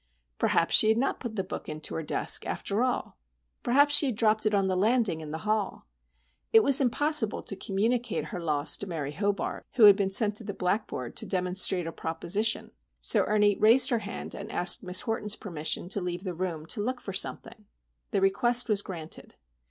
Perhaps she had not put the book into her desk, after all. Perhaps she had dropped it on the landing in the hall. It was impossible to communicate her loss to Mary Hobart, who had been sent to the blackboard to demonstrate a proposition. So Ernie raised her hand and asked Miss Horton's permission to leave the room to look for something. The request was granted.